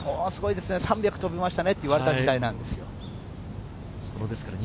すごいですね、３００飛びましたねと言われた時代です。